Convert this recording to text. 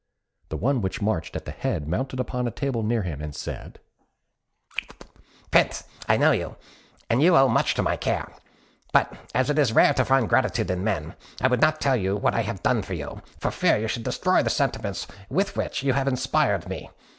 The one which marched at their head mounted upon a table near him, and said, "Prince, I know you, and you owe much to my care; but as it is rare to find gratitude in men, I will not tell you what I have done for you, for fear you should destroy the sentiments with which you have inspired me.